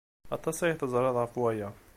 Aṭas ay teẓrid ɣef waya.